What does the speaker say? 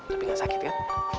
tapi gak sakit ya